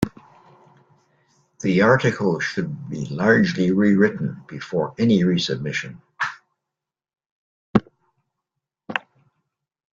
The article should be largely rewritten before any resubmission.